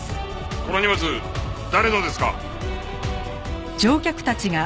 この荷物誰のですか？